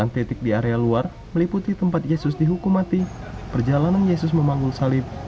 sembilan titik di area luar meliputi tempat yesus dihukum mati perjalanan yesus memanggul salib